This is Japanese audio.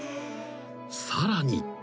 ［さらに］